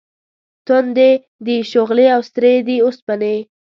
تُندې دي شغلې او سرې دي اوسپنې